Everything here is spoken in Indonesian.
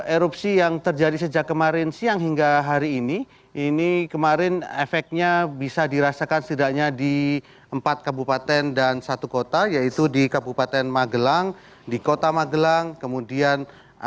erupsi yang terjadi sejak kemarin siang hingga hari ini ini kemarin efeknya bisa dirasakan setidaknya di empat kabupaten dan satu kota yaitu di kabupaten magelang di kota magelang kemudian